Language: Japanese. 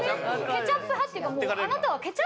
ケチャップ派っていうかもう。